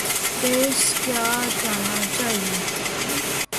ﭘﯿﺶ ﮐﯿﺎ ﺟﺎﻧﺎ ﭼﺎﮬﯿﮯ